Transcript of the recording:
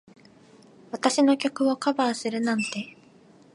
私の曲をカバーするなんて。